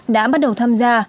đã bắt đầu tham gia